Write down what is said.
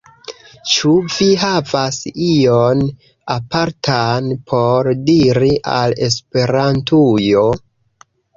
Ĉu vi havas ion apartan por diri al Esperantujo?